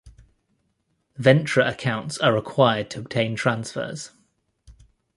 Ventra accounts are required to obtain transfers.